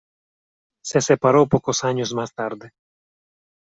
Se separó pocos años más tarde.